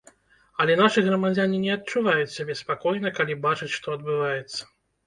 Але нашы грамадзяне не адчуваюць сябе спакойна, калі бачаць, што адбываецца.